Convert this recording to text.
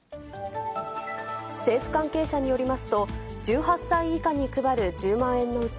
政府関係者によりますと、１８歳以下に配る１０万円のうち